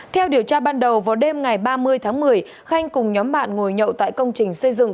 theo điều tra ban đầu vào đêm ngày ba mươi tháng một mươi khanh cùng nhóm bạn ngồi nhậu tại công trình xây dựng